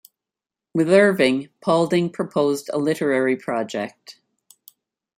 With Irving, Paulding proposed a literary project.